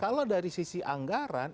kalau dari sisi anggaran